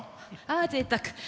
あぜいたく。